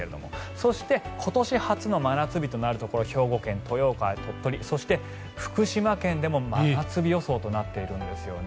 そして今年初の夏日となるところ兵庫県豊岡、鳥取そして、福島県でも真夏日予想となってるんですね。